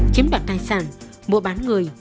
chiếm đoạt tài sản mua bán người